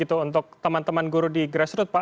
untuk teman teman guru di grassroot pak